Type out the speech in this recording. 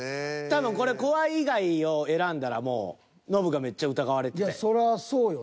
多分これ「怖い」以外を選んだらもうノブがめっちゃ疑われてたよ。